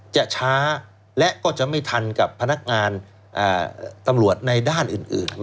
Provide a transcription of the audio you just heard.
จะช้าและก็จะไม่ทันกับพนักงานตำรวจในด้านอื่น